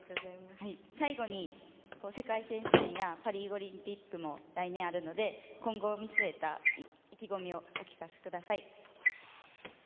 最後に世界選手権やパリオリンピックも来年あるので今後を見据えた意気込みをお聞かせください。